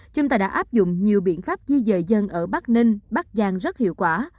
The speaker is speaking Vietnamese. chúng ta đã áp dụng nhiều biện pháp di dời dân ở bắc ninh bắc giang rất hiệu quả